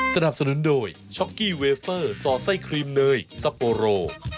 สนับสนุนโดยช็อกกี้เวเฟอร์สอดไส้ครีมเนยซัปโปโร